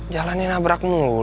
jalan ini nabrak mulu